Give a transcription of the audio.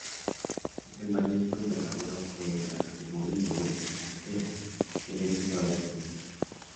Aunque el magnífico invernadero fuera demolido, el cantero de helechos todavía permanece.